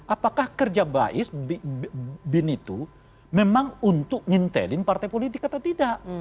apakah kerja bais bin itu memang untuk ngintelin partai politik atau tidak